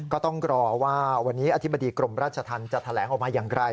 ก็ต้องรอว่าวันนี้อธิบดีกรมราชธรรมจะแถลงออกมาอย่างไร